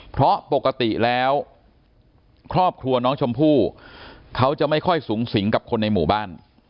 เพราะปกติแล้วครอบครัวน้องชมพู่เขาจะไม่ค่อยสูงสิงกับคนในหมู่บ้าน